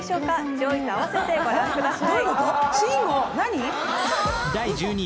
上位とあわせて御覧ください。